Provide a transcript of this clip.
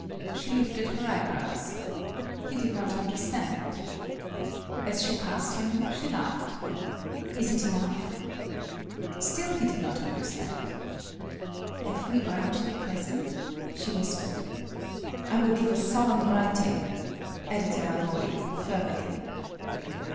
She lifted her eyebrows. He did not understand. As she passed him she laughed. " Is it enough ?" Still he did not understand. " Have we earned the present ?" she whispered. "I will give a solemn writing," added Yamadori, fervidly.